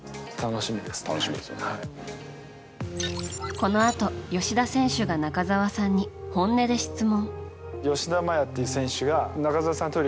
このあと、吉田選手が中澤さんに本音で質問。